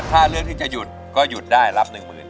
ถ้าเลือกที่จะหยุดก็หยุดได้รับหนึ่งหมื่น